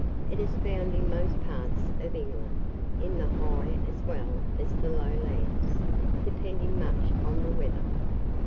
It is found in most parts of England, in the high as well as the low lands, depending much on the weather.